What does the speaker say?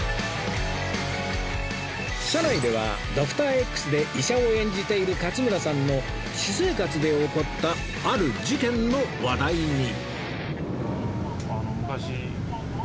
車内では『Ｄｏｃｔｏｒ−Ｘ』で医者を演じている勝村さんの私生活で起こったある事件の話題に